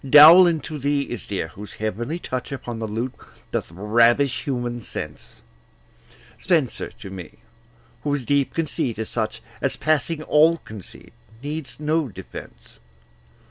Dowland to thee is dear, whose heavenly touch Upon the lute doth ravish human sense; Spenser to me, whose deep conceit is such As, passing all conceit, needs no defence.